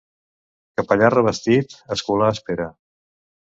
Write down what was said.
Capellà revestit, escolà espera.